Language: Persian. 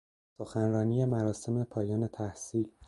سخنرانی مراسم پایان تحصیل